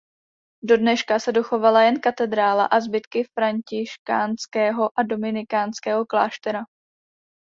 Do dneška se dochovala jen katedrála a zbytky františkánského a dominikánského kláštera.